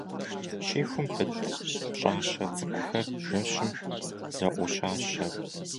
Щихум пыт пщӏащэ цӏыкӏухэр жэщым зоӏущащэ.